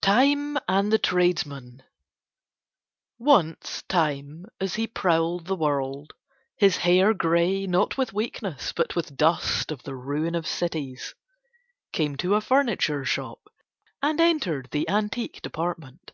TIME AND THE TRADESMAN Once Time as he prowled the world, his hair grey not with weakness but with dust of the ruin of cities, came to a furniture shop and entered the Antique department.